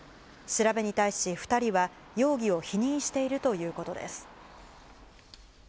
調べに対し２人は、容疑を否認しているということです。